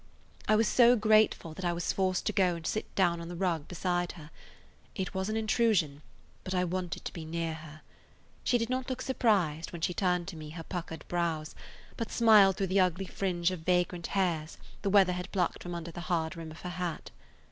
I was so grateful that I was forced to go and sit down on the rug beside her. It was an intrusion, but I wanted to be near her. She did not look surprised when she turned to me her puckered brows, but smiled through the ugly fringe of vagrant [Page 144] hairs the weather had plucked from under the hard rim of her hat.